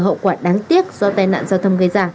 hậu quả đáng tiếc do tai nạn giao thông gây ra